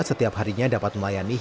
setiap harinya dapat melayani